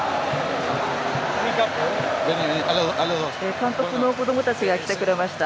監督の子どもたちが来てくれました。